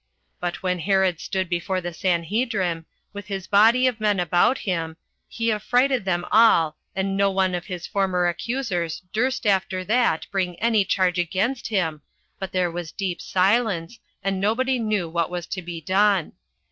But when Herod stood before the Sanhedrim, with his body of men about him, he affrighted them all, and no one of his former accusers durst after that bring any charge against him, but there was a deep silence, and nobody knew what was to be done.